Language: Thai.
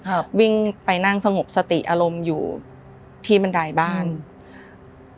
ครับวิ่งไปนั่งสงบสติอารมณ์อยู่ที่บันไดบ้าน